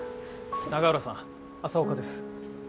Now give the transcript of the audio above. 永浦さん朝岡です。